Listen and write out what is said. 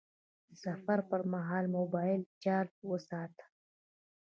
د سفر پر مهال موبایل چارج وساته..